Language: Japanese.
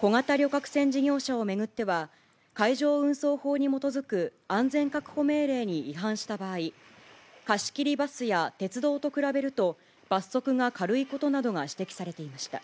小型旅客船事業者を巡っては、海上運送法に基づく安全確保命令に違反した場合、貸し切りバスや鉄道と比べると、罰則が軽いことなどが指摘されていました。